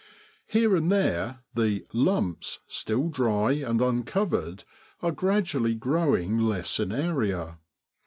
Here and there the ' lumps,' still dry and uncovered, are gradually growing less in area.